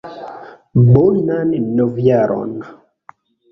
Bonan Novjaron!